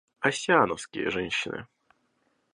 Оссиановские женщины.